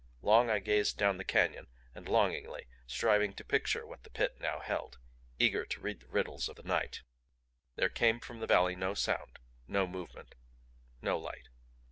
Long I gazed down the canyon and longingly; striving to picture what the Pit now held; eager to read the riddles of the night. There came from the valley no sound, no movement, no light.